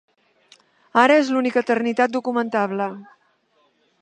Ara és l'única eternitat documentable.